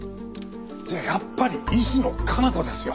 じゃあやっぱり石野香奈子ですよ。